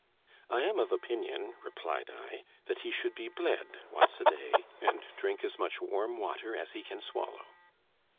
"I am of opinion," replied I, "that he should be bled once a day, and drink as much warm water as he can swallow."